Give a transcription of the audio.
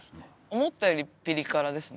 思ったよりピリ辛ですね。